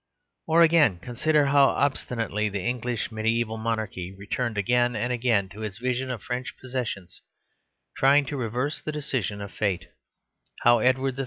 Or again, consider how obstinately the English mediæval monarchy returned again and again to its vision of French possessions, trying to reverse the decision of fate; how Edward III.